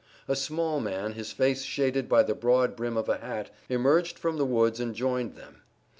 A small man, his face shaded by the broad brim of a hat, emerged from the woods and joined them.